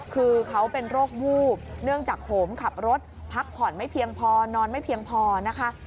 คือเขาเป็นโรควูบเนื่องจากโหมขับรถพักผ่อนไม่เพียงพอนอนไม่เพียงพอนะคะ